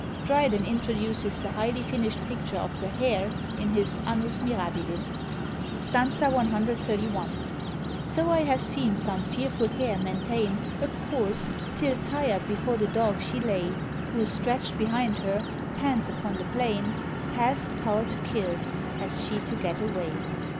Dryden introduces the highly finished picture of the hare in his Annus Mirabilis: Stanza 131. So I have seen some fearful hare maintain A course, till tired before the dog she lay, Who stretched behind her, pants upon the plain, Past power to kill, as she to get away.